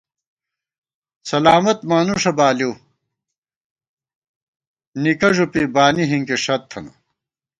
سلامت مانُوݭہ بالِؤ، نِکہ ݫُپی بانی ہِنکِی ݭت تھننہ